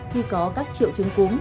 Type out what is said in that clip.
khi có các triệu chứng cúm